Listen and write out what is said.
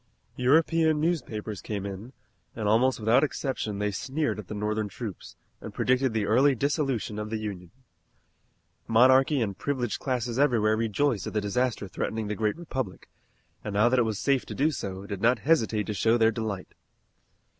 European newspapers came in, and almost without exception they sneered at the Northern troops, and predicted the early dissolution of the Union. Monarchy and privileged classes everywhere rejoiced at the disaster threatening the great republic, and now that it was safe to do so, did not hesitate to show their delight.